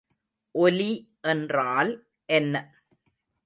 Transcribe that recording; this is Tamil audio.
ஒலி என்றால் என்ன?